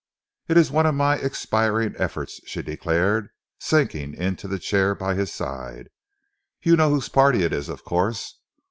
"It is one of my expiring efforts," she declared, sinking into the chair by his side. "You know whose party it is, of course?